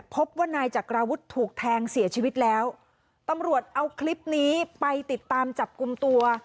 พบว่านายจักราวุฒิถูกแทงเสียชีวิตแล้วตำรวจเอาคลิปนี้ไปติดตามจับกลุ่มตัว